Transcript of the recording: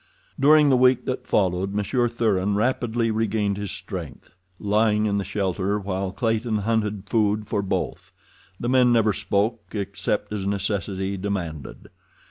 During the week that followed, Monsieur Thuran rapidly regained his strength, lying in the shelter while Clayton hunted food for both. The men never spoke except as necessity demanded.